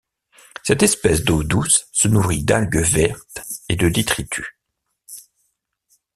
Cette espèce d'eau douce se nourrit d'algues vertes et de détritus.